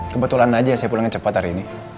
kebetulan aja saya pulangnya cepat hari ini